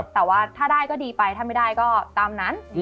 แต่ว่าถ้าได้ก็ดีไปถ้าไม่ได้ก็ตามนั้น